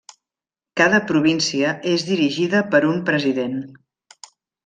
Cada província és dirigida per un president.